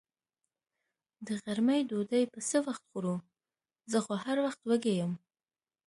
د غرمې ډوډۍ به څه وخت خورو؟ زه خو هر وخت وږې یم.